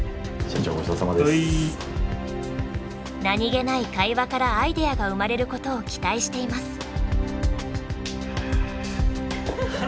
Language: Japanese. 何気ない会話からアイデアが生まれることを期待しています。